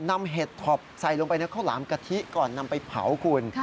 เห็ดท็อปใส่ลงไปในข้าวหลามกะทิก่อนนำไปเผาคุณ